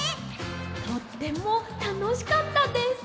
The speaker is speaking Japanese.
とってもたのしかったです！